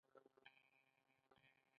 د کابل چمن حضوري مغل باغ دی